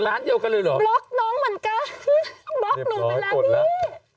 ร้านเดียวกันเลยเหรอบล็อกน้องเหมือนกันบล็อกหนูไปแล้วพี่